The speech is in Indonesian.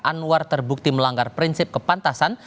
anwar terbukti melanggar prinsip kepantasan